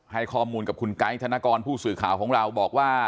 ให้ข้อมูลกับคุณไกด์ธนกรผู้สื่อข่าวของเราบอกว่า